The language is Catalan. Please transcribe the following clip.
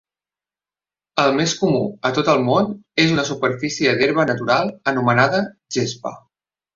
El més comú a tot el món és una superfície d'herba natural anomenada "gespa".